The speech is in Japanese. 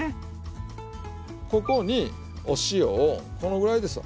ここにお塩をこのぐらいですわ。